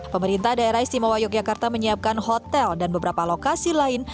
pemerintah daerah istimewa yogyakarta menyiapkan hotel dan beberapa lokasi lain